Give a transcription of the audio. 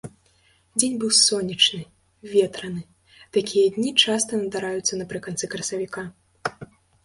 Дзень быў сонечны, ветраны, такія дні часта надараюцца напрыканцы красавіка.